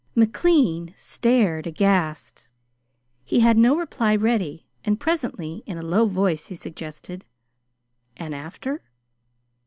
McLean stared aghast. He had no reply ready, and presently in a low voice he suggested: "And after?"